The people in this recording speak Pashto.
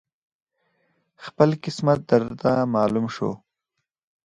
خپل قسمت درته معلوم شو